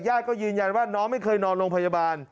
ก็ยืนยันว่าน้องไม่เคยนอนโรงพยาบาล